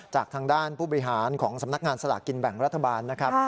จากทางด้านผู้บริหารของสำนักงานสลากกินแบ่งรัฐบาลนะครับ